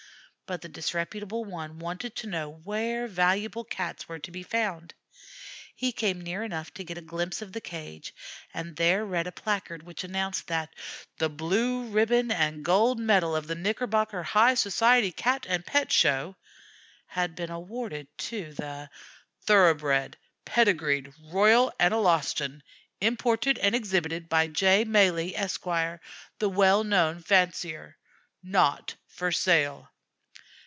But the disreputable one wanted to know where valuable Cats were to be found. He came near enough to get a glimpse of the cage, and there read a placard which announced that "The blue ribbon and gold medal of the Knickerbocker High Society Cat and Pet Show" had been awarded to the "thoroughbred, pedigreed Royal Analostan, imported and exhibited by J. Malee, Esq., the well known fancier. (Not for sale.)"